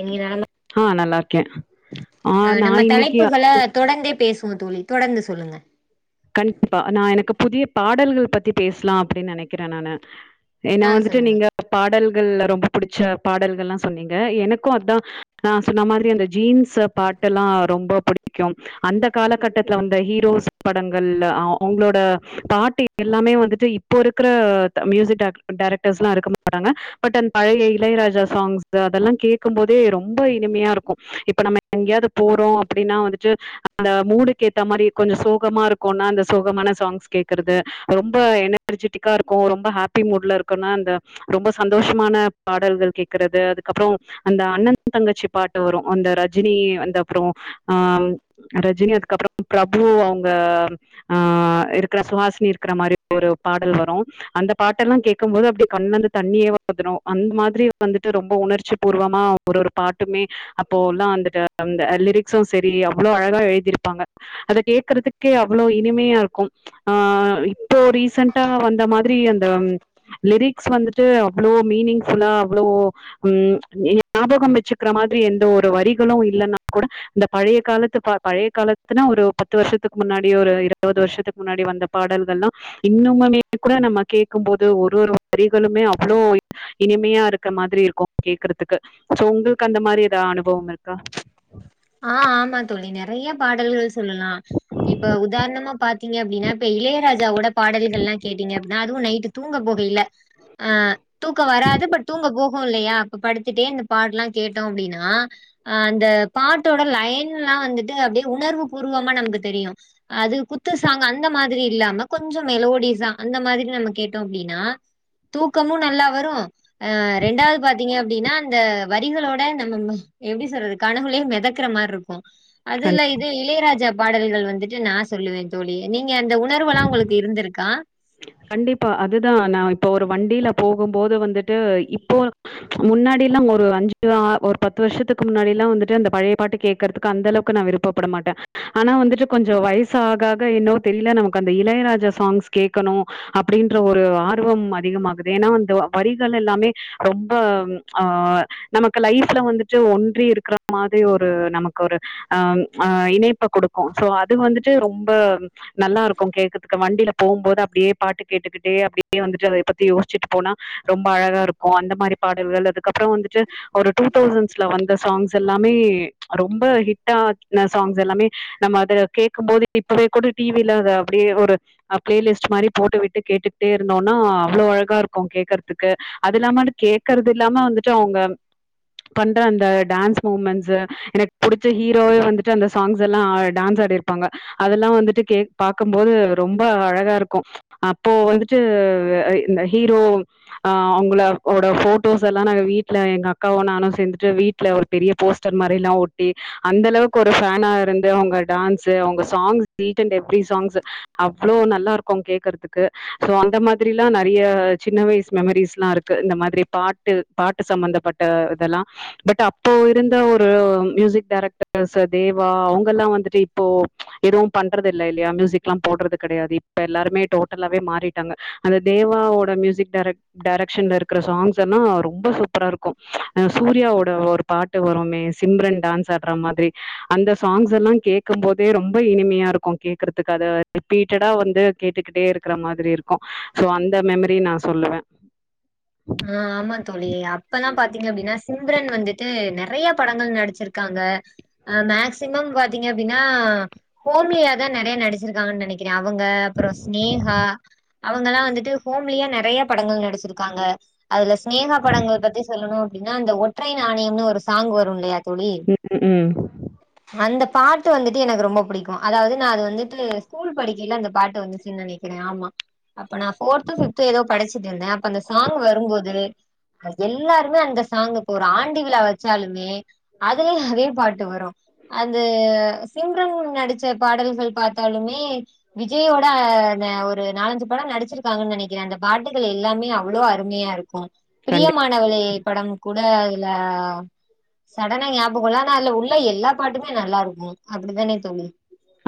இனி நாம ஆ நல்லா இருக்கேன் ஆ நம்ம நான் இன்னைக்கு தலைப்புகள தொடந்தே பேசு வோ தோழி தொடர்ந்து சொல்லுங்க கண்டிப்பா நா எனக்கு புதிய பாடல்கள் பத்தி பேஸ்லா அப்டின் நெனைக்கிறே நானு ஏனா ஆ வந்துட்டு சொல்லுங்க நீங்க பாடல்கள்ல ரொம்ப புடிச்ச பாடல்கள்லா சொன்னீங்க எனக்கு அத் தா நா சொன்ன மாதிரி அந்த ஜீன்ஸ்ல பாட்டெல்லா ரொம்ப புடிக்கும் அந்த காலக்கட்டத்துல வந்த ஹீரோஸ் படங்கள்ல ஆ அவுங்ளோட பாட்டு எல்லாமே வந்துட்டு இப்போ இருக்கற த மியூசிக் டைரக்டர்ஸ்லா இருக்க மாட்டாங்க பட் அந் பழைய இளையராஜா சாங்ஸ் அதெல்லா கேக்கும் போதே ரொம்ப இனிமையா இருக்கு இப்ப நம்ம எங்யாவ்து போறோ அப்டின்னா வந்துட்டு அந்த மூடுக்கேத்தா மாரி கொஞ்ச சோ கமா இருக்கோன்னா அந்த சோகமான சாங்ஸ் கேக்கறது ரொம்ப எனர்ஜிட்டிக்கா இருக்கோ ரொம்ப ஹேப்பி மூட்ல இருக்கோன்னா அந்த ரொம்ப சந்தோஷமான பாடல்கள் கேக்கறது அதுக்கப்றோ அந்த அண்ணன் தங்கச்சி பாட்டு வரு அந்த ரஜினி அந்தப்றோ அ ம் ரஜினி அதுக்கப்றோ பிரபு அவுங்க ஆ இருக்கற சுஹாஸ்னி இருக்கற மாரி ஒரு பாடல் வரு அந்த பாட்டெல்லா கேக்கும் போது அப்டியே கண்லந்து தண்ணியே வந்துரு அந்த மாதிரி வந்துட்டு ரொம்ப உணர்ச்சி பூர்வமா ஒரு ஒரு பாட்டுமே அப்போ எல்லா வந்துட்டு அந்த லிரிக்ஸு செரி அவ்ளோ அழகா எழுதிருப்பாங்க அத கேக்கறத்துக்கே அவ்ளோ இனிமையா இருக்கு ஆ இப்போ ரீசென்ட்டா வந்த மா திரி அந்த லிரிக்ஸ் வந்துட்டு அவ்ளோ மீனிங்ஃபுல்லா அவ்ளோ ம் ஞாபகம் வெச்சிக்கிற மாதிரி எந்த ஒரு வரிகளு இல்லன்னா கூட இந்த பழைய காலத்து பா பழைய காலத்துனா ஒரு பத்து வர்ஷத்துக் முன்னாடி ஒரு இருவது வர்ஷத்துக் முன்னாடி வந்த பாடல்கள்லா இன்னுமுமே கூட நம்ம கேக்கும் போது ஒரு ஒரு வரிகளுமே அவ்ளோ இனிமையா இருக்க மாதிரி இருக்கு கேக்கறத்துக்கு சோ உங்கள்க்கு அந்த மாரி எதா அனுபவம் இருக்கா ஆ ஆமா தோழி நெறைய பாடல்கள் சொல்லலா இப்ப உதாரணமா பாத்தீங்க அப்டின்னா இப்ப இளையராஜாவோட பாடல்கள்லா கேட்டீங்க அப்பிட்னா அதுவு நைட்டு தூங்க போகைல அ தூக்கோ வராது பட் தூங்க போஹு இல்லையா அப்ப படுத்துட்டே இந்த பாட்ல்லா கேட்டோ அப்டின்னா அ அந்த பாட்டோட லைன்லா வந்துட்டு அப்டியே உணர்வு பூர்வமா நமக்கு தெரியு அது குத்து சாங் அந்த மாதிரி இல்லாம கொஞ்சோ மெலோடிஸ்சா அந்த மாதிரி நம்ம கேட்டோ அப்டின்னா தூக்கமு நல்லா வரு ஆ ரெண்டாவது பாத்தீங்க அப்படின்னா அந்த வரிகளோட நம்ம எப்படி சொல்றது கனவுளே மேதக்குற மாரி இருக்கு அதுல இது இளையராஜா பாடல்கள் வந்துட்டு நா சொல்லுவே தோழி நீங்க அந்த உணர்வெல்லா உங்களுக்கு இருந்திருக்கா கண்டிப்பா அதுதா நா இப்போ ஒரு வண்டியில போகும்போது வந்துட்டு இப்போ முன்னாடி எல்லா ஒரு அஞ்சு ஒரு பத்து வருஷத்துக்கு முன்னாடி எல்லா வந்துட்டு அந்த பழைய பாட்டு கேட் கெக்குறதுக்கு அந்த அளவுக்கு நா விருப்பப்பட மாட்டே ஆனா வந்துட்டு கொஞ்சு வயசு ஆக ஆக இன்னொத்த தெரியல நமக்கு அந்த இளையராஜா சாங்ஸ் கேக்கணு அப்படின்ற ஒரு ஆர்வம் அதிகமாகுது ஏன்னா அந்த வரிகள் எல்லாமே ரொம்ப ஆ நமக்கு லைஃப்ல வந்துட்டு ஒன்றி இருக்கிற மாதிரி ஒரு நமக்கு ஒரு ஆ ஆ இணைப்ப கொடுக்கு சோ அது வந்துட்டு ரொம்ப நல்லா இருக்கு கேட்கரதுக்கு வண்டியில போகும்போது அப்படியே பாட்டு கேட்டுக்கிட்டே அப்படியே வந்துட்டு அதை பத்தி யோசிச்சுட்டு போனா ரொம்ப அழகா இருக்கு அந்த மாரி பாடல்கள் அதுக்கப்புற வந்துட்டு ஒரு டூ தௌசண்ட்ஸ்ல வந்த சாங்ஸ் எல்லாமே ரொம்ப ஹிட்டான சாங்ஸ் எல்லாமே நம்ம அத கேட்க போது இப்பவே கூட டி வில அத அப்படியே ஒரு பிளேலிஸ்ட் மாரி போட்டுவிட்டு கேட்டுகிட்டே இருந்தோன்னா அவ்வளோ அழகாக இருக்கு கேக்குறதுக்கு அது இல்லாம கேக்குறது இல்லாம வந்துட்டு அவங்க பண்ற அந்த டான்ஸ் மூமெண்ட்ஸ் எனக்கு புடிச்ச ஹீரோவே வந்துட்டு அந்த சாங்ஸ் எல்லா டான்ஸ் ஆ இருப்பாங்க அதெல்லா வந்துட்டு கே பாக்கபோது ரொம்ப அழகா இருக்கு அப்போ வந்துட்டு அ இந்த ஹீரோ ஆ அவங்களோட போட்டோஸ் எல்லா நாங்க வீட்டுல எங்க அக்காவு நானு சேந்துட்டு வீட் ல ஒரு பெரிய போஸ்டர் மாரிலா ஒட்டி அந்த அளவுக்கு ஒரு ஃபனா இருந்து அவங்க டான்ஸ்சு அவங்க songs each and every songs அவ்வளோ நல்லா இருக்கு கேக்குறது க்கு சோ அந்த மாதிரில்லா நறையா சின்ன வயசு மெமரிஸ் எல்லா இருக்கு இந்த மாதிரி பாட் பாட்டு பாட்டு சம்பந்தப்பட்ட இதெல்லா பட் அப்போ இருந்த ஒரு மியூசிக் டைரக்டர்ஸ் தேவா அவங்க எல்லா வந்துட்டு இப்போ இதுவு பண்றது இல்ல இல்லையா மியூசிக் எல்லா போடுறது கிடையாது இப்ப எல்லருமே டோட்ட லாவே மாறிட்டாங்க அந்த தேவாவோட மியூசிக் டைரக்ட டெரக்க்ஷன்ல இருக்கற சாங்ஸ் எல்லா ரொம்போ சூப்பரா இருக்கு சூர்யாவோட ஒரு பாட்டு வருமே சிம்ரன் டான்ஸ் ஆடுற மாதிரி அந்த சாங்ஸ் எல்லா கேட்க போதே ரொம்ப இனிமையா இருக்கு கேக்குறதுக்கு அத ரிப்பீட்டடா வந்து கேட்டுக்கிட்டே இருக்கு இருக்குற மாதிரி இருக்கு சோ அந்த மெமரி நா சொல்லுவே ஆ ஆமா தோழி அப்பல்லா பாத்தீங்க அப்பிடின்னா சிம்ரன் வந்துட்டு நெறைய படங்கள் நடிச்சிருக்காங்க ஆ மேக்சிமம் பாத்தீங்க அப்பிடின்னா ஹோம்லியா தா நறைய நடிச்சி நடிச்சுருக்காங்கன்னு நெனைக்கிறே அவங்க அப்புறோ சினேகா அவங்கல்லா வந்துட்டு ஹோம்லியா நெறையா படங்கள் நடிச்சிருக்காங்க அதுல சினேகா படங்கள் பத்தி சொல்லணு அப்படின்னா அந்த ஒற்றை நாணயம்னு ஒரு சாங் வரும் இல்லையா தோழி உம் உம் அந்த பாட்டு வந்துட்டு எனக்கு ரொம்ப பிடிக்கு அதாவது நா அது வந்துட்டு ஸ்கூல் படிக்கியில அந்த பாட்டு வந்துசின்னு நெனை கிற ஆமா அப்ப நா போர்த்தோ ஃபிவ்தோ ஏதோ படிச்சிட்டு இருந்தே அப்ப அந்த சா ங்கு வரும்போது எல்லாருமே அந்த சாங்குக்கு ஒரு ஆண்டு விழாவ வச்சாலுமே அதுலயு அதே பாட்டு வரு அது சிம்ரன் நடிச்ச பாடல்கள் பாத்தாலுமே விஜய்யோட ஒரு நாலஞ்சு படோ நடிச்சிருக்காங்க நனைக்கிறே அந்த பாட்டுகள் எல்லாமே அவ்ளோ அருமையா இருக்கு கண்டிப்பா பிரியமானவளே படம் கூட அதுல சடனா ஞாபக இல்ல ஆனா அதுல உள்ள எல்லா பாட்டுமே நல்லா இருக்கு அப்டிதானே தோழி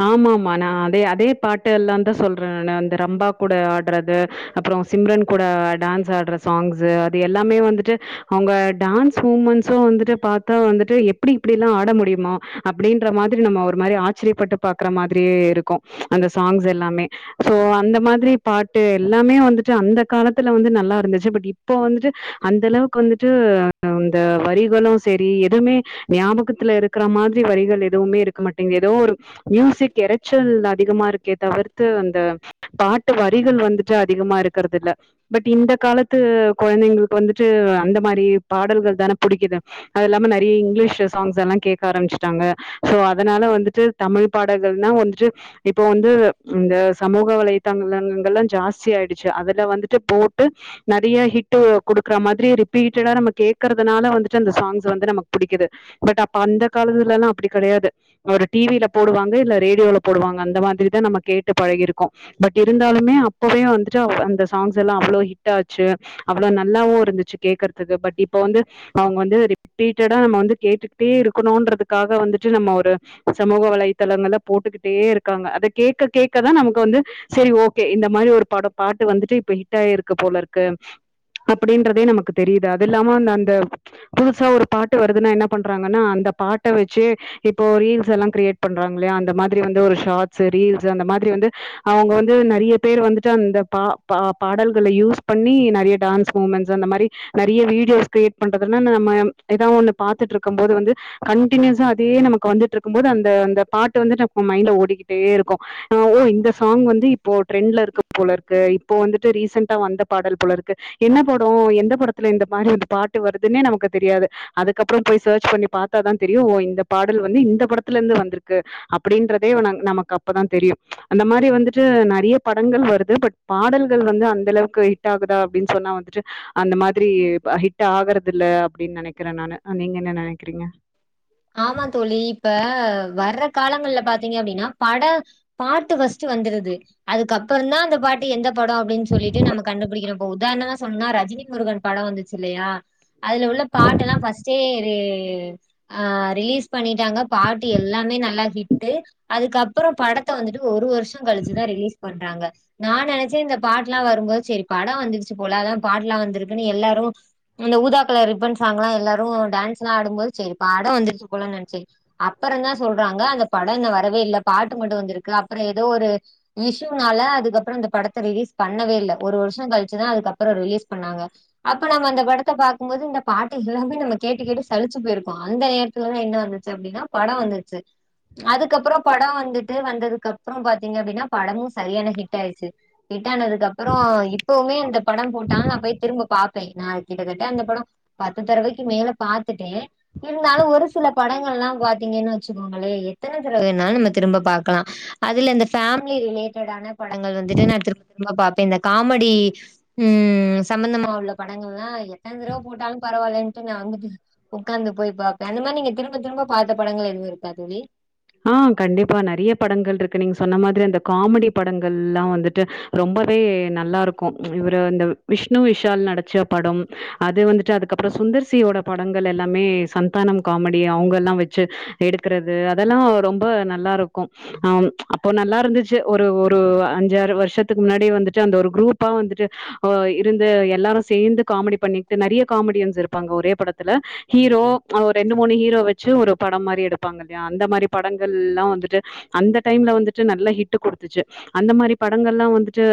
ஆமா ஆமா நா அதே அதே பாட்டு எல்லாந்தா சொல்றே ந வந்து ரம்பா கூட ஆடுறது அப்புறோ சிம்ரன் கூட டான்ஸ் ஆடுற சாங்ஸ் அது எல்லாமே வந்துட்டு அவுங்க டான்ஸ் மூமெண்ட்ஸ்ஸு வந்துட்டு பாத்தா வந்துட்டு எப்டி இப்படில்லா ஆட முடியுமா அப்டின் ற மாதிரி நம்ம ஒரு மாரி ஆச்சரியப்பட்டு பாக்குற மாதிரியே இருக்கு அந்த சாங்ஸ் எல்லாமே சோ அந்த மாதிரி பாட்டு எல்லாமே வந்துட்டு அந்த காலத்துல வந்து நல்லா இருந்துச்சு பட் இப் போ வந்துட்டு அந்த அளவுக்கு வந்துட்டு இந்த வரிகளு சேரி எதுமே நியாபகத்துல இருக்கறா மாதிரி வரிகள் இரு எதுமே இருக்க மாட்டேங் எதோ ஒரு மியூசிக் எறைச்சல் அதிகமா இருக்கே தவிர்த்து அந்த பாட்டு வரிகள் வந்துட்டு அதிகமா இருக்கறது இல்ல பட் இந்த காலத்து கொழந்தைங்களுக்கு வந்துட்டு அந்த மாரி பாடல்கள் தானே புடிக்குது அது இல்லாம நறைய இங்கிலீஷ் சாங்ஸ் எல்லா கேட்க ஆரம்பிச்சுட்டாங்க சோ அதனால வந்துட்டு தமிழ் பாடகள்னா வந்துட்டு இப்போ வந்து இந்த சமூக வலைதங்களங்கள் கல்லா ஜாஸ்தி ஆயிடுச்சு அதுல வந்துட்டு போட்டு நறைய ஹிட்டு குடுக்குற மாதிரி ரிப்பீட்டடா நம்ம கேக்குறதுனால வந்துட்டு அந்த சாங்ஸ் வந்து நமக்கு பிடிக்குது பட் அப்ப அந்த காலத்துலல்லா அப்டி கிடையாது ஒரு டிவில போடுவாங்க இல்ல ரேடியோல போடுவாங்க அந்த மாதிரிதா நம்ம கேட்டு பழகிருக்கோ பட் இருந்தாலுமே அப்பவே வந்துட்டு அந்த சாங்ஸ் எல்லா அவ்ளோ ஹிட் ஆச்சு அவ்ளோ நல்லாவு இருந்துச்சு கேக்கறதுக்கு பட் இப்ப வந்து அவுங்க வந்து ரிப்பீட்டடா நம்ம வந்து கேட்டுட்டே இருக்கணுன்றதுக்காக வந்துட்டு நம்ம ஒரு சமூக வலைத்தளங்கள்ல போட்டுக்கிட்டே இருக்காங்க அத கேட்க கேட்கதா நமக்கு வந்து சேரி ஓகே இந்த மாரி ஒரு படம் பாட்டு வந்துட்டு இப்ப ஹிட் ஆயிருக்கு போல இருக்கு அப்டின்றதே நமக்கு தெரியுது அது இல்லாம அந்த அந்த புதுசா ஒரு பாட்டு வருதுன்னா என்ன பண்றாங்கன்னா அந்த பாட் ட வச்சு இப்போ ரீல்ஸ் எல்லா கிரியேட் பண்றாங்களையா அந்த மாதிரி வந்து ஒரு ஷார்ட்ஸ் ரீல்ஸ் அந்த மாதிரி வந்து அவுங்க வந்து நறைய பேர் வந்து ட்டு அந்த பா பா பாடல்கள்ல யூஸ் பண்ணி நிறைய டான்ஸ் மூமெண்ட்ஸ் அந்த மாரி நறைய வீடியோஸ் கிரியேட் பண்றதுன்னா நம்ம எதோ ஒண்ணு பாத்துட்டு இருக்கும்போது வந்து கண்டினியூஸா அதே நமக்கு வந்துட்டு இருக்கும்போது அந்த அந்த பாட்டு வந்து ந மைண்டல ஓடிக்கிட்டே இருக்கு ஆ ஓ இந்த சாங் வந்து இப்போ ட்ரெண்ட்ல இருக்கு போலருக்கு இப்போ வந்துட்டு ரீசெண்டா வந்த பாடல் போலருக்கு என்ன படடோ எந்த படத்துல இந்த பாடல் பாட்டு வருதுன்னே நமக்கு தெரியாது அதுக்கப்புற போய் சர்ச் பண்ணி பாத்தாதா தெரியு ஓ இந்த பாடல் வந்து இந்த படத்துல இருந்து வந்திருக்கு அப்படின்றதே ந நமக்கு அப்பதா தெரியு அந்த மாரி வந்துட்டு நறைய படங்கள் வருது பட் பாடல்கள் வந்து அந்த அளவுக்கு ஹிட் ஆகுதா அப்டின்னு சொன்னா வந்துட்டு அந்த மாதிரி ஹிட் ஆகுறது இல்ல அப்டின்னு நனைக்கிறே நானு நீங்க என்ன நனைக்கிறீங்க ஆமா தோழி இப்ப வர்ற காலங்கள்ல பாத்தீங்க அப்டின்னா பட பாட்டு ஃபர்ஸ்ட்டு வந்துருது அதுக்கப்புறதா அந்த பாட்டு எந்த படோ அப்டின் சொல்லிட்டு நம்ம கண்டுபிடிக்குறோ இப்ப உதாரணமா சொன்னா ரஜினி முருகன் படோ வந்துச்சு இல்லயா அதுல உள்ள பாட்டல்லா ஃபர்ஸ்ட்டே ரே ஆ ரிலீஸ் பண்ணிட்டாங்க பாட்டு எல்லாமே நல்ல ஹிட்டு அதுக்கப்புறோ படத்த வந்துட்டு ஒரு வருஷோ கழிச்சுதா ரிலீஸ் பண்றாங்க நா நெனச்சே இந்த பாட்டுலா வரும்போது செரி படோ வந்துருச்சு போலா அத பாட்லா வந்திருக்குன்னு எல்லாரு அந்த ஊதா கலர் ரிப்பன் சாங்கல எல்லாரு டான்ஸ்லா ஆடும்போது செரி படோ வந்துருச்சு போலனு நெனைச்சி அப்பறந்தா சொல்றாங்க அந்த படோ இன்னோ வரவே இல்ல பாட்டு மட்டு வந்திருக்கு அப்புற ஏதோ ஒரு இஷ்யுனால அதுக்கப்புற இந்த படத்த ரிலீஸ் பண்ணவே இல்ல ஒரு வருஷோ கழிச்சுதா அதுக்கப்புற ரிலீஸ் பண்ணாங்க அப்ப நம்ம அந்த படத்த பாக்கும்போது இந்த பாட்டு எல்லாமே நம்ம கேட்டு கேட்டு சலிச்சு போயிருக் அந்த நேரத்துலதா என்ன வந்துச்சு அப்டின்னா படோ வந்துச்சு அதுக்கப்புற படோ வந்துட்டு வந்ததுக்கு அப்றோ பாத்தீங்க அப்டின்னா படமு சரியான ஹிட் ஆயிடுச்சு ஹிட்டானதுக்கு அப்புறோ இப்பவுமே இந்த படம் போட்டா நா போய் திரும்ப பாப்பே நா கிட்ட தட்ட அந்த படோ பத்து தெரவைக்கு மேல பாத்துட்டே இருந்தாலு ஒரு சில படங்கள்லா பாத்தீங்கன் வச்சுக்கோங்களே எத்தன தெரவ வேனாலு நம்ம திரும்ப பாக்கலா அதுல இந்த ஃபேமிலி ரிலேட்டடான படங்கள் வந்துட்டு நா திரும்ப திரும்ப பாப்பே இந்த காமெடி ம் சம்பந்தமா உள்ள படங்கள்லா எத்தன தெரவ போட்டாலு பரவால்லன்ட்டு நா வந்துட்டு உக்காந்து போய் பாப்பே அந்த மாரி நீங்க திரும்ப திரும்ப பாத்த படங்கள் எதுவு இருக்கா தோழி ஆ கண்டிப்பா நெறய படங்கள் இருக்கு நீங்க சொன்ன மாதிரி அந்த காமெடி படங்கள்லா வந்துட்டு ரொம்பவே நல்லா இருக்கு இவரு இந்த விஷ்ணு விஷால் நடிச்ச படம் அது வந்துட்டு அதுக்கப்றோ சுந்தர்சியோட படங்கள் எல்லாமே சந்தானம் காமெடி அவங்கல்லா வெச்சு எடுக்குறது அதெல்லா ரொம்ப நல்லாருக்கு ஆம் அப்போ நல்லா இருந்துச்சு ஒரு ஒரு அஞ்சாறு வருஷத்துக்கு முன்னாடி வந்துட்டு அந்த ஒரு குரூப்பா வந்துட்டு ஒ இருந்து எல்லாரு சேர்ந்து காமெடி பண்ணிட்டு நெறய காமெடியன்ஸ் இருப்பாங்க ஒரே படத்துல ஹீரோ ஒரு ரெண்டு மூணு ஹீரோ வெச்சு ஒரு படம் மாரி எடுப்பாங்க அந்த மாரி படங்கள்லா வந்துட்டு அந்த டைம்ல வந்துட்டு நல்லா ஹிட்டு் குடுத்துச்சு அந்த மாரி படங்கள்லா வந்துட்டு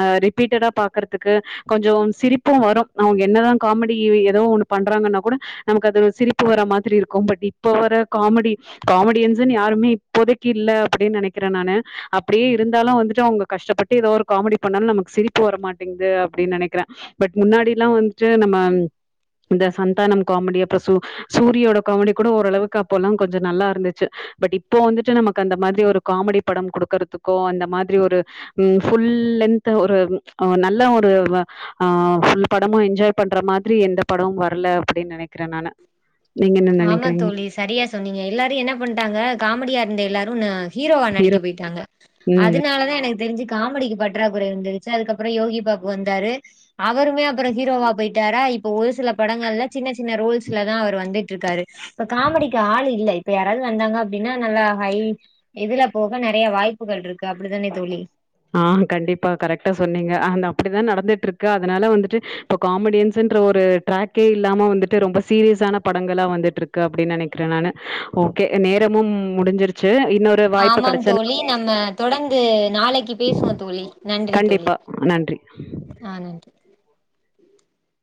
அ ரிப்பீட்டடா பாக்கறதுக்கு கொஞ்சோ சிரிப்பு வரு அவங்க என்னதா காமெடி ஏதோ ஒண்ணு பண்றாங்கன்னா கூட நமக்கு அது சிரிப்பு வர மாதிரி இருக்கு பட் இப்ப வர காமெடி காமெடியன்ஸ்னு யாருமே இப்போதைக்கு இல்ல அப்டின்னு நெனக்கிறே நானு அப்டியே இருந்தாலு வந்துட்டு அவங்க கஷ்டப்பட் ஹீரோ ஒரு காமெடி பண்ணாலு நமகு சிரிப்பு வர மாட்டேங்குது அப்டின் நெனைக்குறே பட் முன்னாடிலா வந்துட்டு நம்ம இந்த சந்தானம் காமெடி அப்புறோ சூ சூரியோட காமெடி கூட ஓரளவுக்கு அப்போல்லா கொஞ்சோ நல்லா இருந்துச்சு பட் இப்போ வந்துட்டு நமக்கு அந்த மாதிரி ஒரு காமெடி படம் குடுக்கறதுக்கோ அந்த மாதிரி ஒரு ம் புல் லென்த் ஒரு உ நல்ல ஒரு பு வஆ புல் படமும் என்ஜாய் பண்ற மாதிரி எந்த படமும் வரல அப்டின்னு நெனைக்கிறே நானு நீங்க என்ன நெனக்கிறீங்க நீங்க எல்லாரு என்ன பண்டாங்க காமெடியா இருந்த எல்லாரு நா ஹீரோவா நடிக்க ஹீரோ போயிட்டாங்க ம் அதனால தா எனக்கு தெரிஞ்சி காமெடிக்கு பற்றாக்குறை வந்துருச்சி அதுக்கப்றோ யோகி பாபு வந்தாரு அவருமே அப்புறோ ஹீரோவா போயிட்டாரா இப்ப ஒரு சில படங்கள்ல சின்ன சின்ன ரோல்ஸ்லதா அவர் வந்து ட்ருக்காரு இப்ப காமெடிக்கு ஆள் இல்ல இப்ப யாராது வந்தாங்க அப்டின்னா நல்லா ஹை இதுல போக நெறைய வாய்ப்புகள் இருக்கு அப்டிதானே தோழி ஆஹ் கண்டிப்பா கரெக்ட்டா சொன்னீங்க அந்த அப்டிதா நடந்துட்டு இருக்கு அதனால வந்துட்டு இப்போ காமெடியன்ஸ்ன்ற ஒரு ட்ராக்கே இல்லாம வந்துட்டு ரொம்ப சீரியஸான படங்களாக வந்துட்டுருக் கு அப்டின் நெனைக்கிறே நானு ஓகே நேரமும் முடிஞ்சிருச்சு இன்னொரு வாய்ப்பு ஆமாம் கெடைச்சா தோழி நம்ம தொடர்ந்து நாளைக்கி பேசுவோ தோழி நன்றி தோழி கண்டிப்பா. நன்றி. ஆஹ் நன்றி